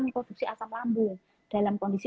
mengkonsumsi asam lambung dalam kondisi